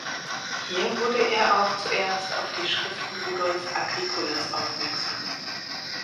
Hier wurde er auch zuerst auf die Schriften Rudolf Agricolas aufmerksam.